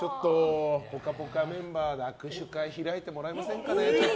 「ぽかぽか」メンバーで握手会開いてもらえませんかね？